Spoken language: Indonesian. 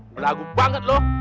berlagu banget lo